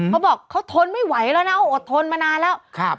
เขาบอกเขาทนไม่ไหวแล้วนะอดทนมานานแล้ว